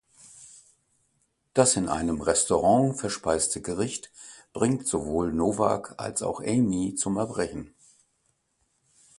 Das in einem Restaurant verspeiste Gericht bringt sowohl Novak als auch Amy zum Erbrechen.